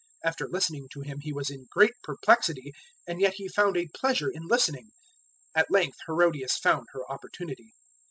After listening to him he was in great perplexity, and yet he found a pleasure in listening. 006:021 At length Herodias found her opportunity.